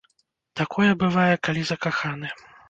Такое бывае, калі закаханы.